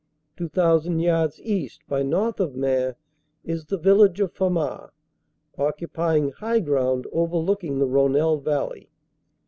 Two thousand yards east by north of Maing is the village of Famars, occupy ing high ground overlooking the Rhonelle valley.